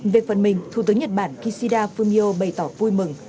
về phần mình thủ tướng nhật bản kishida fumio bày tỏ vui mừng